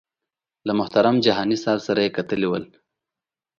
له محترم جهاني صاحب سره یې کتلي ول.